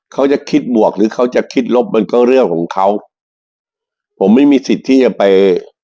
เขาจะคิดบวกหรือเขาจะคิดลบมันก็เรื่องของเขาผมไม่มีสิทธิ์ที่จะไป